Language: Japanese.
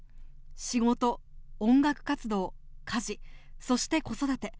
仕事、音楽活動、家事そして子育て。